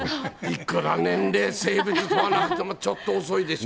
いくら年齢、性別問わなくてもちょっと遅いでしょ。